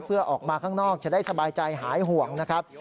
เพื่อออกมาข้างนอกจะได้สบายใจหายห่วงนะครับ